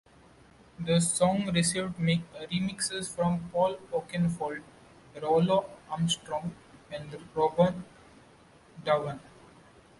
The song received remixes from Paul Oakenfold, Rollo Armstrong and Rob Dougan.